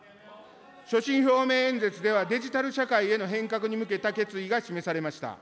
所信表明演説では、デジタル社会への変革に向けた決意が示されました。